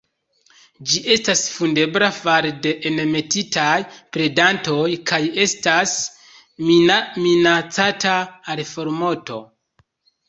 Ĝi estas vundebla fare de enmetitaj predantoj, kaj estas minacata al formorto.